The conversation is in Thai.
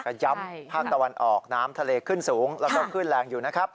ก็ย้ำภาคตะวันออกน้ำทะเลขึ้นสูงแล้วก็ขึ้นแรงอยู่นะครับ